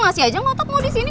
masih aja ngotot mau disini